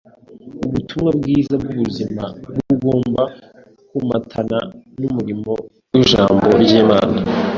Ubutumwa bwiza bw’ubuzima bugomba komatana n’umurimo w’Ijambo ry’Imana